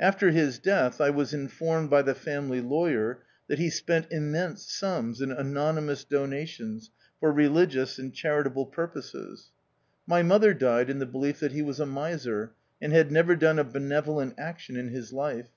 After his death, I was informed by the family lawyer that he spent immense sums in anonymous dona tions for religious and charitable purposes. 5 6 THE OUTCAST. My mother died in the belief that he was a miser, and had never done a benevolent action in his life.